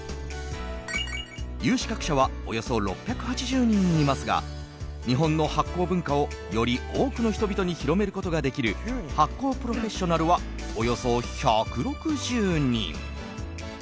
有資格者はおよそ６８０人いますが日本の発酵文化をより多くの人々に広めることができる発酵プロフェッショナルはおよそ１６０人。